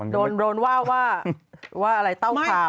โดนว่าว่าอะไรเต้าข่าว